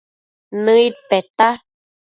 Nëid peta